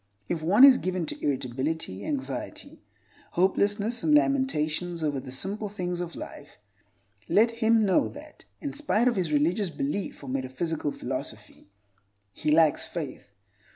If one is given to irritability, anxiety, hopelessness, and lamentations over the simple things of life, let him know that, in spite of his religious belief or metaphysical philosophy, he lacks faith.